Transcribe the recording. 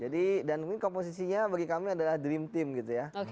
dan mungkin komposisinya bagi kami adalah dream team gitu ya